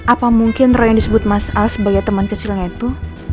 apa mungkin roh yang disebut mas al sebagai teman kecilnya itu